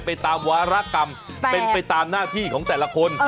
ไปตามวารกรรมเป็นไปตามหน้าที่ของแต่ละคน